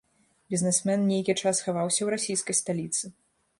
Бізнесмен нейкі час хаваўся ў расійскай сталіцы.